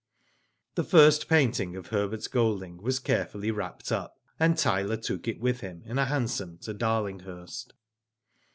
The first painting of Herbert Golding was care fully wrapped up, and Tyler took it with him in a hansom to Darlinghurst.